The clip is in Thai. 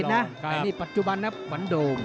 แต่นี่ปัจจุบันนะขวัญโด่ง